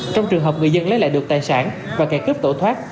trong trường hợp người dân lấy lại được tài sản và kẻ cướp tổ thoát